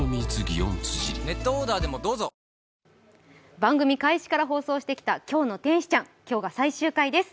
番組開始から放送してきた「今日の天使ちゃん」、今日が最終回です。